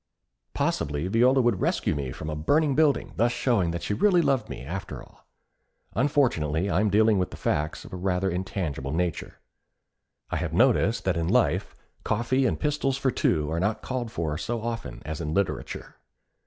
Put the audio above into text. Possibly Viola would rescue me from a burning building, thus showing that she really loved me, after all. Unfortunately I am dealing with facts of a rather intangible nature. I have noticed that in life coffee and pistols for two are not called for so often as in literature.